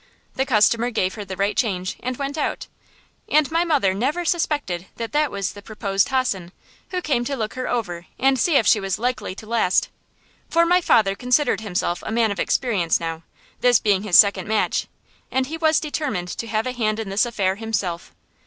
The customer gave her the right change, and went out. And my mother never suspected that that was the proposed hossen, who came to look her over and see if she was likely to last. For my father considered himself a man of experience now, this being his second match, and he was determined to have a hand in this affair himself.